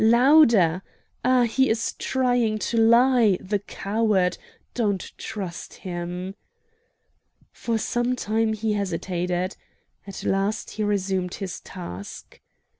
"Louder! Ah! he is trying to lie, the coward! Don't trust him." For some time he hesitated. At last he resumed his task.